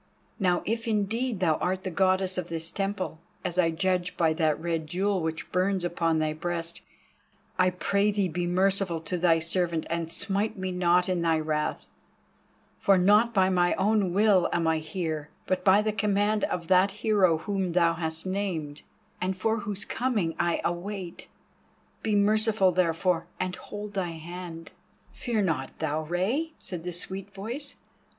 Now, if indeed thou art the Goddess of this temple, as I judge by that red jewel which burns upon thy breast, I pray thee be merciful to thy servant and smite me not in thy wrath, for not by my own will am I here, but by the command of that hero whom thou hast named, and for whose coming I await. Be merciful therefore, and hold thy hand." "Fear not thou, Rei," said the sweet voice.